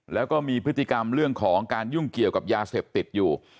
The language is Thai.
แล้วก็มีพฤติกรรมเรื่องของการยุ่งเกี่ยวกับยาเสพติดอยู่